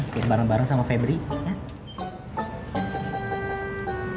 bikin bareng bareng sama febri ya